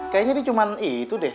kayaknya dia cuma itu deh